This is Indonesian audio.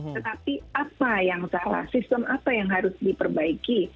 tetapi apa yang salah sistem apa yang harus diperbaiki